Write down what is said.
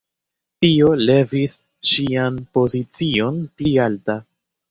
Tio levis ŝian pozicion pli alta.